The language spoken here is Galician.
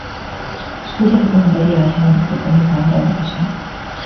Que lle recomendaría a alguén que comeza agora a debuxar?